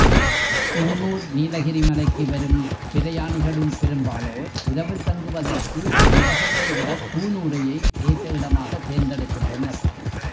கூனூர் நீலகிரி மலைக்கு வரும் பிரயாணிகளில் பெரும்பாலோர் இரவில் தங்குவதற்கு உதகையைவிடக் கூனூரையே ஏற்ற இடமாகத் தேர்ந்தெடுக்கின்றனர்.